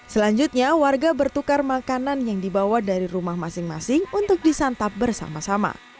selanjutnya warga bertukar makanan yang dibawa dari rumah masing masing untuk disantap bersama sama